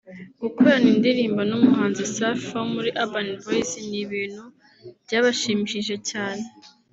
gukorana indirimbo n’umuhanzi Safi wo muri Urban Boys ni ibintu byabashimishije cyane